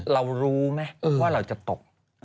เรารู้ไหมว่าเราจะตก